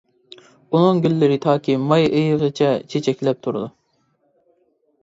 ئۇنىڭ گۈللىرى تاكى ماي ئېيىغىچە چېچەكلەپ تۇرىدۇ.